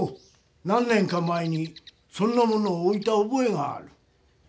何年か前にそんな物をおいたおぼえがある。